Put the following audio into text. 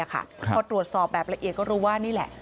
พอตรวจสอบแบบละเอียดก็รู้ว่านี่แหละ